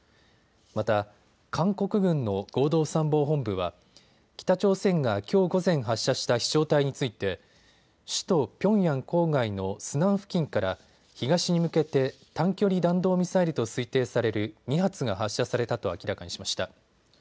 また、韓国軍の合同参謀本部は北朝鮮がきょう午前、発射した飛しょう体について首都ピョンヤン郊外のスナン付近から東に向けて短距離弾道ミサイルと推定される２発が発射されたと明らかにしました。